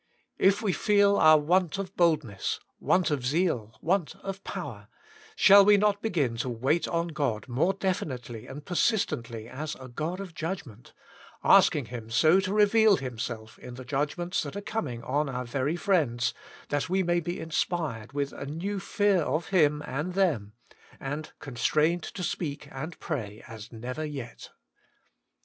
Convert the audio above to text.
If we feel our want of boldness, want of zeal, want of power, shall we not begin to wait on God more definitely and persistently as a God of judgment, asking Him 96 WAITING ON GOD I so to reveal Himself in the judgments that are coming on our very friends, that we may be inspired with a new fear of Him and them, and constrained to speak and pray as never yet.